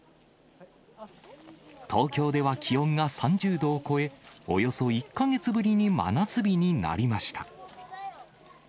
東京では気温が３０度を超え、およそ１か月ぶりに真夏日になりました。